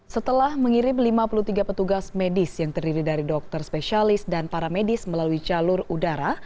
setelah mengirim lima puluh tiga petugas medis yang terdiri dari dokter spesialis dan para medis melalui jalur udara